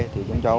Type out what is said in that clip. thì chúng cháu